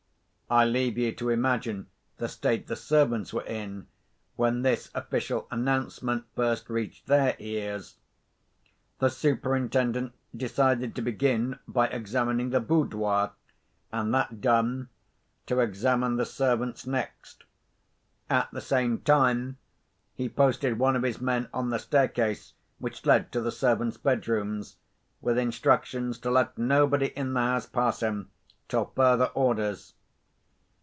I leave you to imagine the state the servants were in when this official announcement first reached their ears. The Superintendent decided to begin by examining the boudoir, and, that done, to examine the servants next. At the same time, he posted one of his men on the staircase which led to the servants' bedrooms, with instructions to let nobody in the house pass him, till further orders.